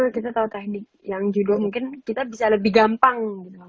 kita tahu teknik yang judo mungkin kita bisa lebih gampang